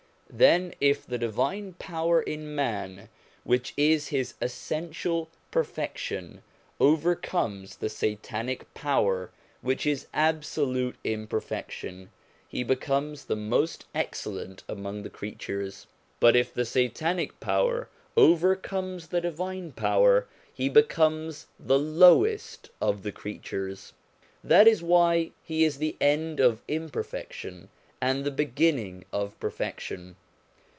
Then, if the divine power in man which is his essential perfection, overcomes the satanic power, which is absolute imperfection, he be comes the most excellent among the creatures ; but if the satanic power overcomes the divine power, he becomes the lowest of the creatures. That is why he is the end of imperfection and the beginning of perfec tion.